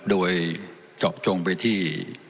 โดยเจาะจงไปที่